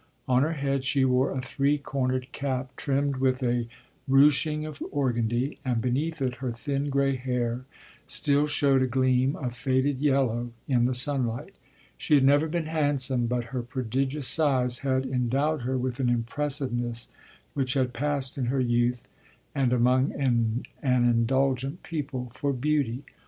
On her head she wore a three cornered cap trimmed with a ruching of organdie, and beneath it her thin gray hair still showed a gleam of faded yellow in the sunlight. She had never been handsome, but her prodigious size had endowed her with an impressiveness which had passed in her youth, and among an indulgent people, for beauty.